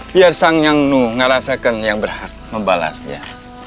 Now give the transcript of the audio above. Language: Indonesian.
biar sang nyang nu merasakan yang berhak membalasnya